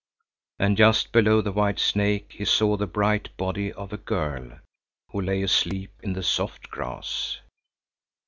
And just below the white snake he saw the bright body of a girl, who lay asleep in the soft grass.